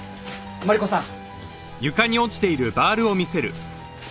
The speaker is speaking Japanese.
マリコさん！